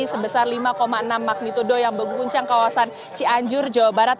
sebesar lima enam magnitudo yang mengguncang kawasan cianjur jawa barat